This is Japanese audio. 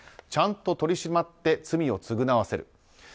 ちゃんと取り締まって罪を償わせる。